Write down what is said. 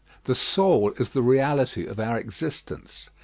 The soul is the reality of our existence.